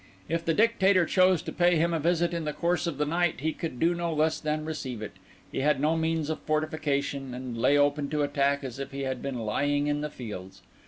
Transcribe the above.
If the Dictator chose to pay him a visit in the course of the night, he could do no less than receive it; he had no means of fortification, and lay open to attack as if he had been lying in the fields.